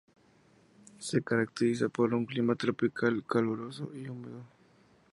Se caracteriza por un clima tropical, caluroso y húmedo.